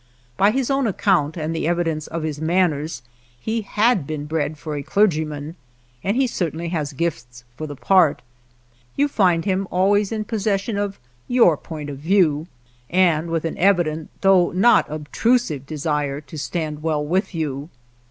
By his own account and the evi dence of his manners he had been bred for a clergyman, and he certainly has gifts for the part. You find him always in pos session of your point of view, and with an evident though not obtrusive desire to stand well with you.